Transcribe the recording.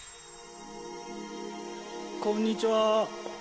こんにちは。